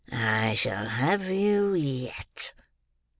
I shall have you yet!"